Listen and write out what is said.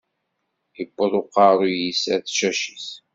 Iwweḍ uqeṛṛu-s ar tcacit.